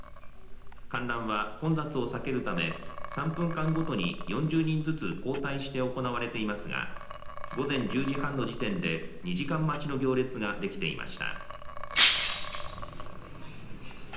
観覧は混雑を避けるため３分間ごとに４０人ずつ交代して行われていますが午前１０時半の時点で２時間待ちの行列ができていました。